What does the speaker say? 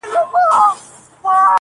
د پېښي څخه تښته نسته.